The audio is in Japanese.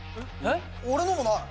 俺のもない！